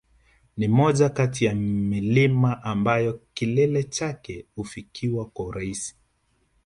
Ni moja kati ya milima ambayo kilele chake hufikiwa kwa urahisi